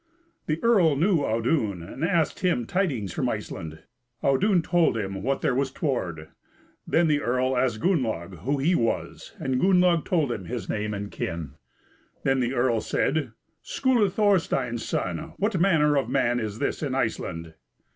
The earl knew Audun, and asked him tidings from Iceland. Audun told him what there was toward. Then the earl asked Gunnlaug who he was, and Gunnlaug told him his name and kin. Then the earl said: "Skuli Thorstein's son, what manner of man is this in Iceland?"